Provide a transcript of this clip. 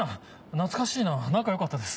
懐かしいな仲良かったです。